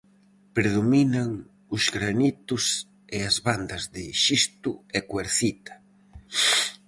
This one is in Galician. Predominan os granitos e as bandas de xisto e cuarcita.